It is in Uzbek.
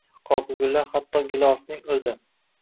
qoqigullar hatto gilosning oʼzi